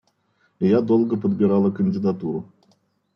Я долго подбирала кандидатуру.